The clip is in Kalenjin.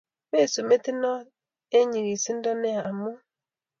Masub metit not eng nigisindo nea amut